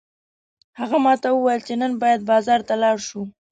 هغه ماته وویل چې نن باید بازار ته لاړ شو